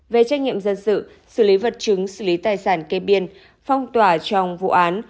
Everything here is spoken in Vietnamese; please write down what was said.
về trách nhiệm dân sự xử lý vật chứng xử lý tài sản kê biên phong tỏa trong vụ án